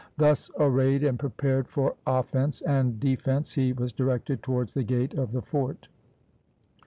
Thus arrayed and prepared for offence and defence, he was directed towards the gate of the fort.